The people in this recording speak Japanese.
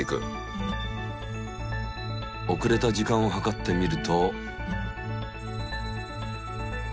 おくれた時間を計ってみると。